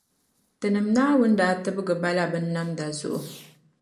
Tinim’ Naawuni daa tibgi bala binnamda zuɣu.